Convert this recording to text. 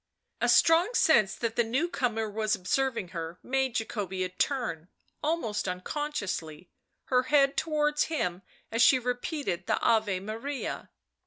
... A strong sense that the newcomer was observing her made Jacobea turn, almost unconsciously, her head towards him as she repeated the " Ave Maria."